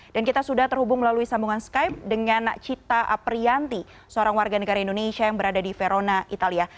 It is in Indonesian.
dan kita sudah terhubung melalui sambungan skype dengan cita aprianti seorang warga negara indonesia yang berada di verona italia